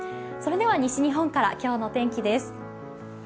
それでは西日本から今日の天気です。